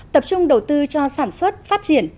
tập trung đầu tư cho sản xuất phát triển